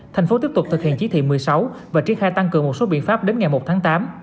tp hcm tiếp tục thực hiện chí thị một mươi sáu và triết khai tăng cường một số biện pháp đến ngày một tháng tám